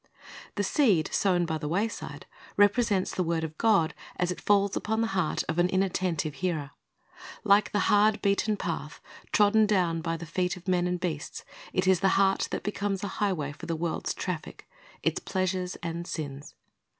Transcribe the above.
The seed sown by the wayside represents the word of God as it falls upon the heart of an inattentive hearer. Like the hard beaten path, trodden down by the feet of men and beasts, is the heart that becomes a highway for the world's traffic, its pleasures and sins.